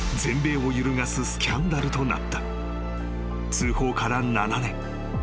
［通報から７年］